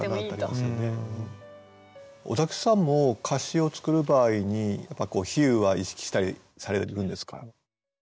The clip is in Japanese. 尾崎さんも歌詞を作る場合に比喩は意識したりされるんですか？